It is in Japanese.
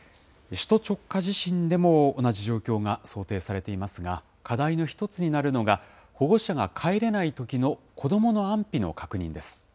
首都直下地震でも同じ状況が想定されていますが、課題の一つになるのが、保護者が帰れないときの子どもの安否の確認です。